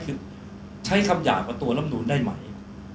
คือใช้คำหยาบกับตัวลำนูนได้ไหม